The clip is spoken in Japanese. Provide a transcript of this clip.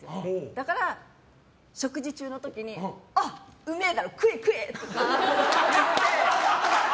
だから食事中の時にうめえだろ、食え食え！とか。